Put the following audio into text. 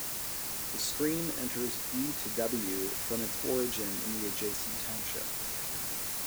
The stream enters E-to-W from its origin in the adjacent township.